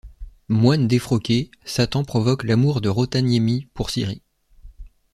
Moine défroqué, Satan provoque l'amour de Rautaniemi pour Siri.